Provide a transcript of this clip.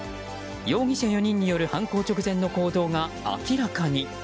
容疑者４人による犯行直前の行動が明らかに。